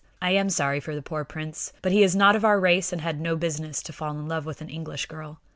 I am sorry for the poor prince, but he is not of our race and had no business to fall in love with an English girl."